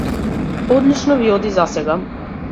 Одлично ви оди засега.